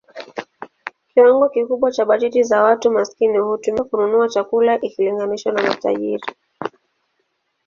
Kiwango kikubwa cha bajeti za watu maskini hutumika kununua chakula ikilinganishwa na matajiri.